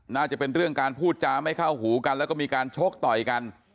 น่าจะเป็นเรื่องการพูดจาไม่เข้าหูกันแล้วก็มีการชกต่อยกัน